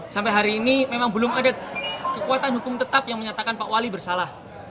sampai hari ini memang belum ada kekuatan hukum tetap yang menyatakan pak wali bersalah